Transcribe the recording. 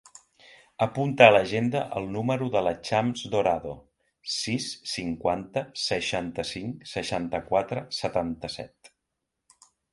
Apunta a l'agenda el número de la Chams Dorado: sis, cinquanta, seixanta-cinc, seixanta-quatre, setanta-set.